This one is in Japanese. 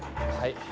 はい。